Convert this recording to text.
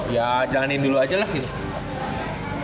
ya jalanin dulu aja lah gitu